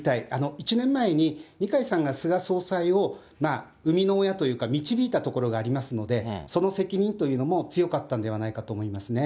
１年前に二階さんが菅総裁を生みの親というか、導いたところがありますので、その責任というのも強かったんではないかと思いますね。